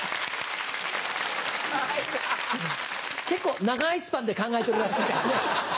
結構長いスパンで考えてるらしいからね。